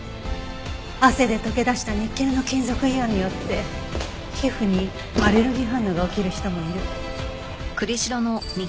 汗で溶け出したニッケルの金属イオンによって皮膚にアレルギー反応が起きる人もいる。